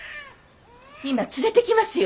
今連れてきますよ！